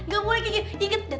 gak boleh kayak gitu